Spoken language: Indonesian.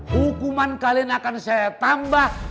hukuman kalian akan saya tambah